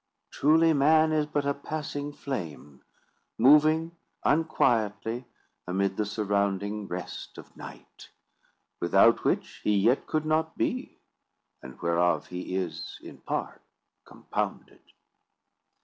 Truly, man is but a passing flame, moving unquietly amid the surrounding rest of night; without which he yet could not be, and whereof he is in part compounded."